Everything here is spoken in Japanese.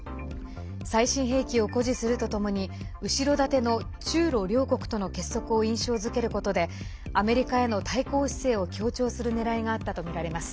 最新兵器を誇示するとともに後ろ盾の中ロ両国との結束を印象づけることで、アメリカへの対抗姿勢を強調するねらいがあったとみられます。